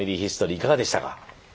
いかがでしたか？